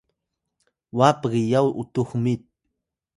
wa pgiyaw utux mit